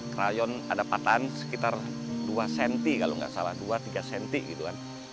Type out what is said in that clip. crayon ada patan sekitar dua cm kalau tidak salah dua tiga cm gitu kan